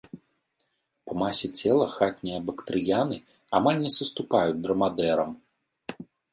Па масе цела хатнія бактрыяны амаль не саступаюць драмадэрам.